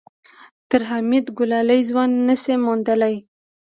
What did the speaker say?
تر حميد ګلالی ځوان نه شې موندلی.